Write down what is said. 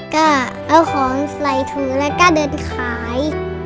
ก็เอาของใส่ถุงแล้วก็เดินไปขาย